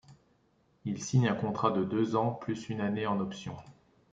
Il signe un contrat de deux ans plus une année en option.